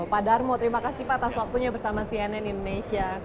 pak darmo terima kasih pak atas waktunya bersama cnn indonesia